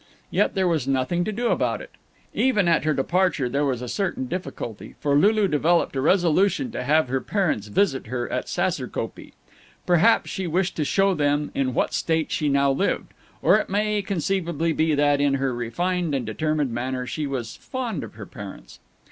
Yet there was nothing to do about it. Even at her departure there was a certain difficulty, for Lulu developed a resolution to have her parents visit her at Saserkopee. Perhaps she wished to show them in what state she now lived; or it may conceivably be that, in her refined and determined manner, she was fond of her parents.